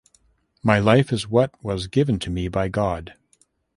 My life is what was given to me by God.